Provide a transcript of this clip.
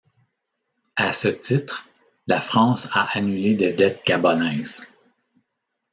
A ce titre, la France a annulé des dettes gabonaises.